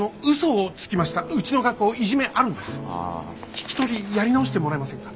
聞き取りやり直してもらえませんか？